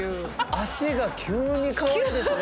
足が急にかわいいですね。